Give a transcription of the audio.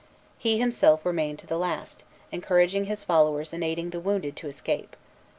He himself remained to the last, encouraging his followers and aiding the wounded to escape.